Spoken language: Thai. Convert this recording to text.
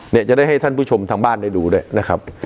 เนี่ยจะได้ให้ท่านผู้ชมทางบ้านได้ดูด้วยนะครับ